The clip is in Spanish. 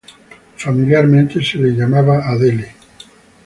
Familiarmente, era llamada "Adele".